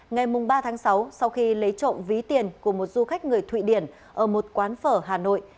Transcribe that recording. ngày ba tháng sáu sau khi lấy trộm ví tiền của một du khách người thụy điển ở một quán phở hà nội